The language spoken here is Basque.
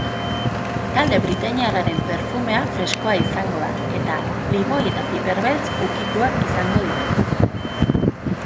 Talde britainiarraren perfumea freskoa izango da eta limoi eta piperbeltz ukituak izango ditu.